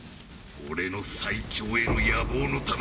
俺の最強への野望のためだ。